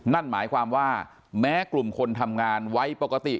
นั่นหมายความว่าแม้กลุ่มคนทำงานไว้ปกติ